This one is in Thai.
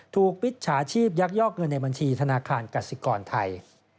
มิจฉาชีพยักยอกเงินในบัญชีธนาคารกสิกรไทย